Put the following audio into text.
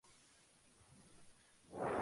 Tiene racimos de tamaño mediano y forma compacta.